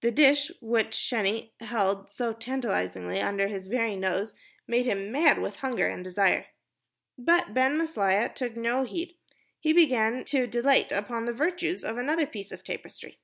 The dish which Sheni held so tantalizingly under his very nose made him mad with hunger and desire. But Ben Maslia took no heed. He began to dilate upon the virtues of another piece of tapestry.